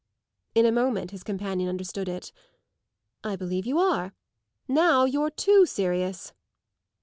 In a moment his companion understood it. "I believe you are; now you're too serious."